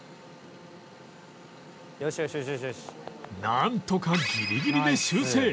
なんとかギリギリで修正